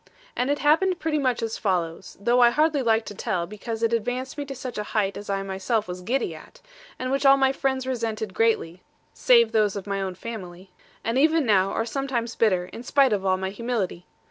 And it happened pretty much as follows though I hardly like to tell, because it advanced me to such a height as I myself was giddy at; and which all my friends resented greatly (save those of my own family), and even now are sometimes bitter, in spite of all my humility.